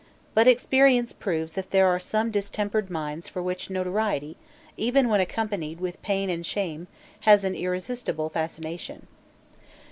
But experience proves that there are some distempered minds for which notoriety, even when accompanied with pain and shame, has an irresistible fascination.